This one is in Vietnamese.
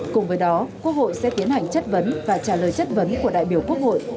cùng với đó quốc hội sẽ tiến hành chất vấn và trả lời chất vấn của đại biểu quốc hội